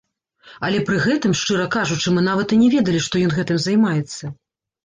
Але пры гэтым, шчыра кажучы, мы нават і не ведалі, што ён гэтым займаецца.